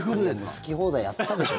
好き放題やってたでしょ。